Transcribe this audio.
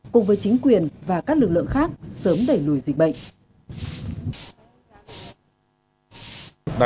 cùng với chính quyền và các lực lượng khác sớm đẩy lùi dịch bệnh